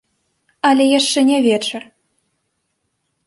Але яшчэ не вечар!